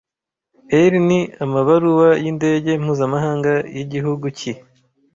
EL ni amabaruwa yindege mpuzamahanga yigihugu ki